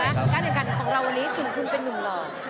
การกำลังกายไหมการกำลังกายของเราวันนี้คือคุณเป็นหนุ่มหลอน